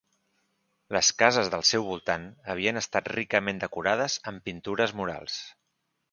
Les cases del seu voltant havien estat ricament decorades amb pintures murals.